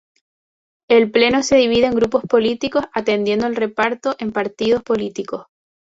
El pleno se divide en grupos políticos atendiendo al reparto en partidos políticos.